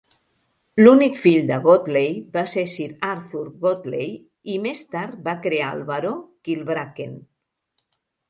L'únic fill de Godley va ser Sir Arthur Godley, i més tard va crear el baró Kilbracken.